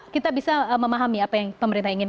kita bisa memahami apa yang pemerintah ingin